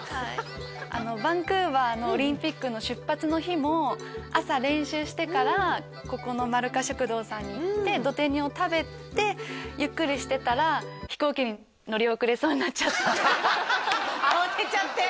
バンクーバーのオリンピックの出発の日も朝練習してからここのまるか食堂さんに行ってどて煮を食べてゆっくりしてたら慌てちゃって？